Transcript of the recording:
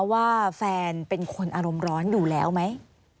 ว่าแฟนเป็นคนอารมณ์ร้อนอยู่แล้วไหม